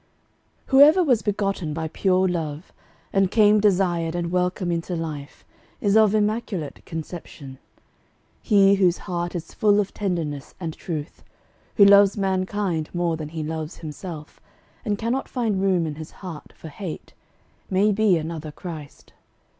Whoever was begotten by pure love, And came desired and welcome into life, Is of immaculate conception. He Whose heart is full of tenderness and truth, Who loves mankind more than he loves himself, And cannot find room in his heart for hate, May be another Christ.